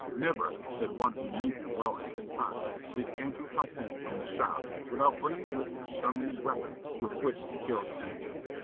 "Never," said one who knew him well at this time, "did Andrew come home from the shops without bringing with him some new weapon with which to kill the enemy.